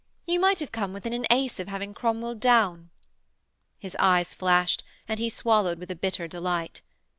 'You might have come within an ace of having Cromwell down.' His eyes flashed, and he swallowed with a bitter delight.